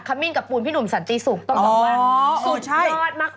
คัมมินกับปูนพี่หนุ่มสันติสุขต้องบอกว่าสุขรอดมาก